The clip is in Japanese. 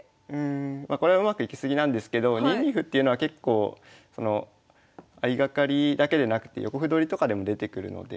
まこれはうまくいき過ぎなんですけど２二歩っていうのは結構相掛かりだけでなくて横歩取りとかでも出てくるので。